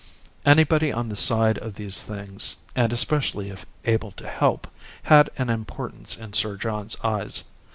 Anybody on the side of these things, and especially if able to help, had an importance in Sir John's eyes.